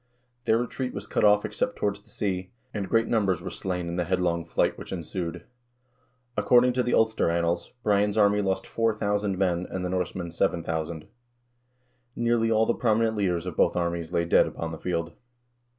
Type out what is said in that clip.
Their retreat was cut off except toward the sea, and great numbers were slain in the headlong flight which ensued. According to the "Ulster Annals," Brian's army lost 4000 men and the Norsemen 7000. Nearly all the prominent leaders of both armies lay dead upon the field.